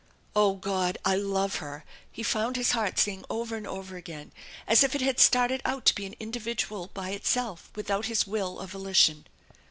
" Oh, God, I love her !" he found his heart saying over and over again, as if it had started out to be an individual by itself without his will or volition.